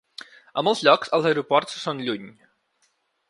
A molts llocs els aeroports són lluny.